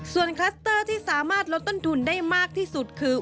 ส่วนคลัสเตอร์ที่สามารถลดต้นทุนได้มากที่สุดคือ